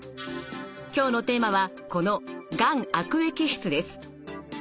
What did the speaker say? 今日のテーマはこの「がん悪液質」です。